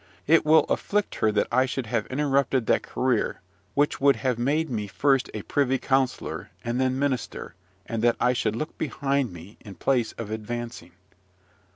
It will afflict her that I should have interrupted that career which would have made me first a privy councillor, and then minister, and that I should look behind me, in place of advancing.